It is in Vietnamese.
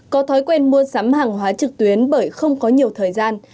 có thói quen mua sắm hàng hóa trực tuyến bởi không có nhiều thời gian